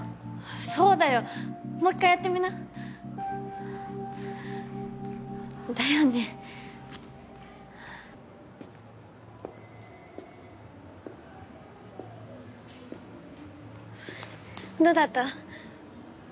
そうだよもう一回やってみなだよねどうだった？